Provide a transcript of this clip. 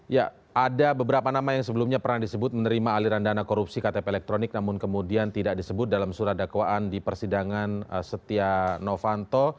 ya ada beberapa nama yang sebelumnya pernah disebut menerima aliran dana korupsi ktp elektronik namun kemudian tidak disebut dalam surat dakwaan di persidangan setia novanto